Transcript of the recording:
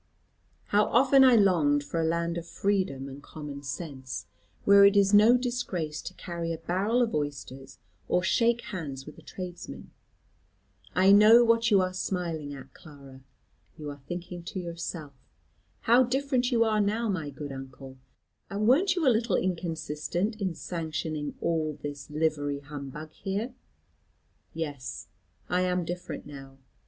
How often I longed for a land of freedom and common sense, where it is no disgrace to carry a barrel of oysters, or shake hands with a tradesman. I know what you are smiling at, Clara. You are thinking to yourself, 'how different you are now, my good uncle; and wern't you a little inconsistent in sanctioning all this livery humbug here?' Yes, I am different now.